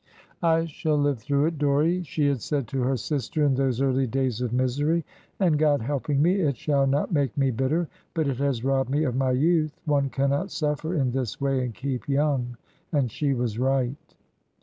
"I shall live through it, Dorrie," she had said to her sister, in those early days of misery, "and, God helping me, it shall not make me bitter; but it has robbed me of my youth. One cannot suffer in this way, and keep young;" and she was right.